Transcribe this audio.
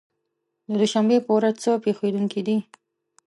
د دوشنبې په ورځ څه پېښېدونکي دي؟